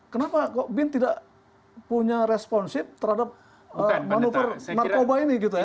kenapa bin tidak punya responsif terhadap manuver narkoba ini gitu ya